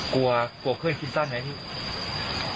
กลัวเพื่อนคิดสั้นไหม